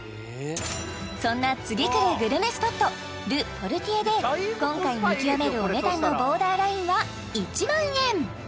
そんな次くるグルメスポットＬＥＰＯＲＴＩＥＲで今回見極めるお値段のボーダーラインは１万円